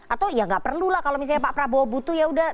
atau ya gak perlu lah kalau misalnya pak prabowo butuh yaudah